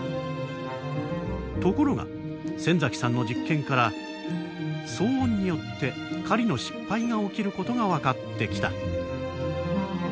ところが先崎さんの実験から騒音によって狩りの失敗が起きることが分かってきた。